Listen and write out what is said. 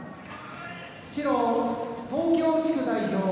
白、東京地区代表